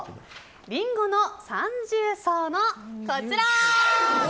リンゴの三重奏のこちら。